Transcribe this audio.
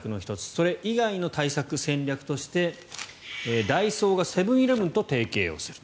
それ以外の対策、戦略としてダイソーがセブン−イレブンと提携をする。